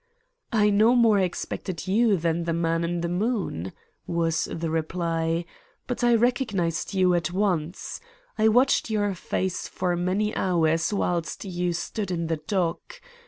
"I no more expected you than the man in the moon," was the reply; "but I recognised you at once. I watched your face for many hours whilst you stood in the dock.